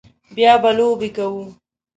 بیا به لوبې کوو